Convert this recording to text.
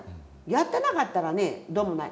やってなかったらねどうもない。